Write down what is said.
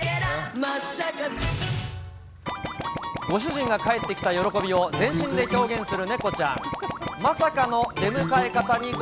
ご主人が帰ってきた喜びを全身で表現する猫ちゃん。